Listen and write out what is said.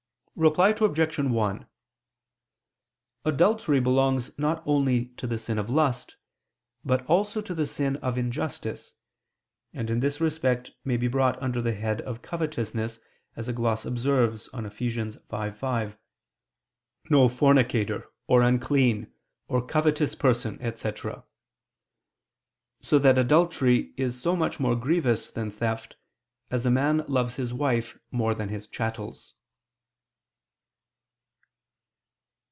Reply Obj. 1: Adultery belongs not only to the sin of lust, but also to the sin of injustice, and in this respect may be brought under the head of covetousness, as a gloss observes on Eph. 5:5. "No fornicator, or unclean, or covetous person," etc.; so that adultery is so much more grievous than theft, as a man loves his wife more than his chattels.